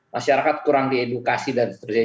masyarakat kurang diedukasi dan seterusnya